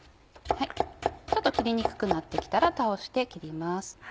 ちょっと切りにくくなって来たら倒して切ります。